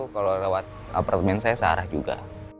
kalau lewat apartemen saya searah juga